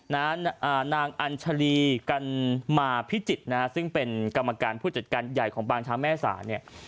นางอัญชาลีกันมาพิจิตรนะฮะซึ่งเป็นกรรมการผู้จัดการใหญ่ของปางช้างแม่สาเนี่ย